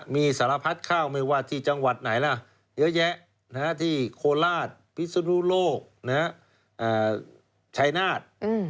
มีสารพัดข้าวไม่ว่าที่จังหวัดไหนล่ะเยอะแยะที่โคราชพิศนุโลกชัยนาฏ